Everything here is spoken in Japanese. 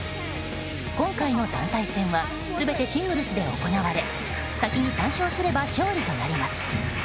今回の団体戦は全てシングルスで行われ先に３勝すれば勝利となります。